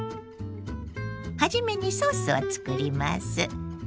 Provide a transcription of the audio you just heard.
初めにソースを作ります。